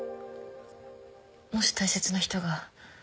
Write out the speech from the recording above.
「もし大切な人が」